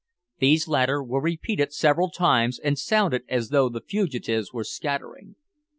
These latter were repeated several times, and sounded as though the fugitives were scattering.